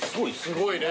すごいね。